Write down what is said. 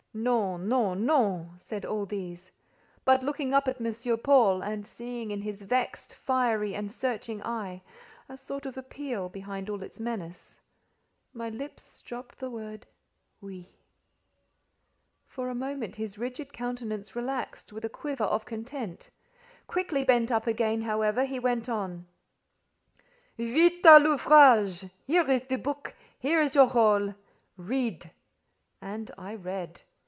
"Non, non, non!" said all these; but looking up at M. Paul, and seeing in his vexed, fiery, and searching eye, a sort of appeal behind all its menace, my lips dropped the word "oui". For a moment his rigid countenance relaxed with a quiver of content: quickly bent up again, however, he went on,— "Vite à l'ouvrage! Here is the book; here is your rôle: read." And I read.